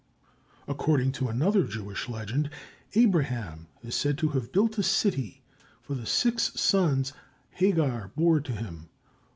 According to another Jewish legend, Abraham is said to have built a city for the six sons Hagar bore to him.